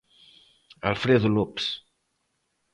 Alfredo López.